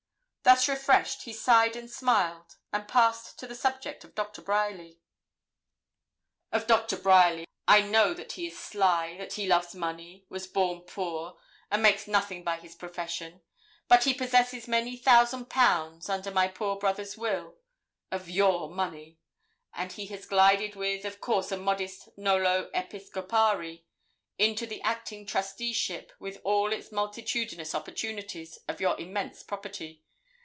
Thus refreshed, he sighed and smiled, and passed to the subject of Doctor Bryerly. 'Of Doctor Bryerly, I know that he is sly, that he loves money, was born poor, and makes nothing by his profession. But he possesses many thousand pounds, under my poor brother's will, of your money; and he has glided with, of course a modest "nolo episcopari," into the acting trusteeship, with all its multitudinous opportunities, of your immense property.